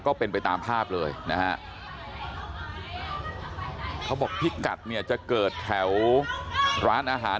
ก็เป็นไปตามภาพเลยนะฮะเขาบอกพิกัดเนี่ยจะเกิดแถวร้านอาหาร